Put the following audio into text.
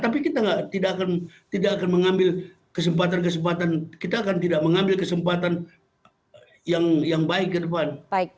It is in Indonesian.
tapi kita tidak akan mengambil kesempatan kesempatan yang baik ke depan